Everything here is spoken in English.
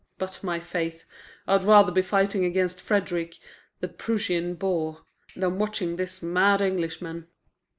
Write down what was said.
But, my faith, I'd rather be fighting against Frederick, the Prussian boar, than watching this mad Englishman."